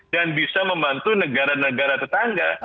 dan bisa membantu negara negara tetangga